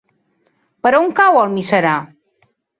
Per on cau Almiserà?